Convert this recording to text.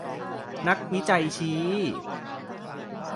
นักวิจัยชี้